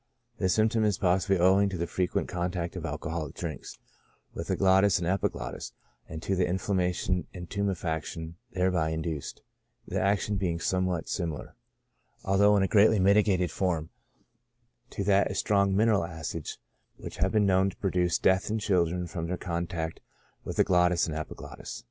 This symptom is possibly owing to the frequent contact of alcoholic drinks with the glottis and epiglottis, and to the inflammation and tumefaction thereby induced ; the action being somewhat similar, although in a greatly mitigated form, to that of strong mineral acids, which have been known to produce death in children from their contact with the glottis and epiglottis.